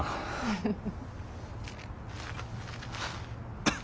フフフ。